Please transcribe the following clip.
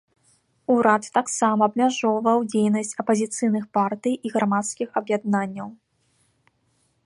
Урад таксама абмяжоўваў дзейнасць апазіцыйных партый і грамадскіх аб'яднанняў.